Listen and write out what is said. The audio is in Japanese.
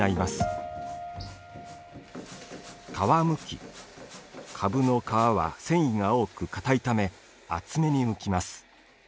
かぶの皮は繊維が多く、固いため厚めにむきます。